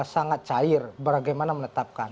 sangat cair bagaimana meletakkan